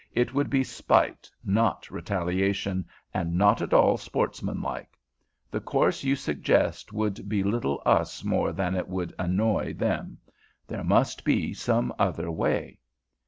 "It would be spite, not retaliation, and not at all sportsmanlike. The course you suggest would belittle us more than it would annoy them. There must be some other way."